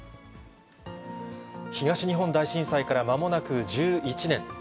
東日本大震災からまもなく１１年。